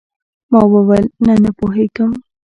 ما وويل نه نه پوهېږم.